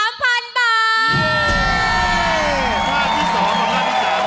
ภาพที่สองแล้วภาพที่สาม